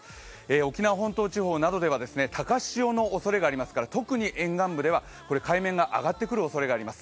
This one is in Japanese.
沖縄本島地方などでは高潮のおそれがありますから、特に沿岸部では海面が上がってくる恐れがあります。